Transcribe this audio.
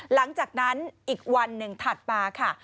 หลังจากนั้นอีกวันหนึ่งถัดมาค่ะ